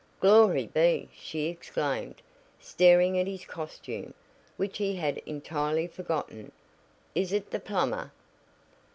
"Glory be!" she exclaimed, staring at his costume, which he had entirely forgotten. "Is it the plumber?"